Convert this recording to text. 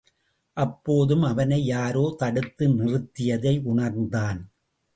அப்போதும் அவனை யாரோ தடுத்து நிறுத்தியதை உணர்ந்தான்.